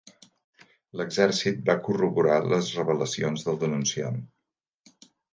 L'exèrcit va corroborar les revelacions del denunciant.